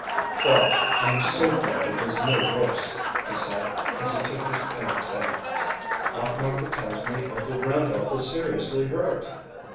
"Father, I am so glad it is no worse," he said, as he took his parent's hand. "Aunt Martha tells me Uncle Randolph is seriously hurt."